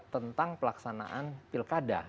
tentang pelaksanaan pilkada